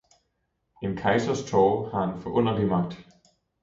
en kejsers tårer har en forunderlig magt!